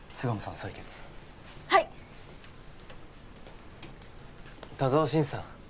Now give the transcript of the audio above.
採血はい田沢伸さん